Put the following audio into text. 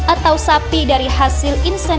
atau sapi dari hasil insentif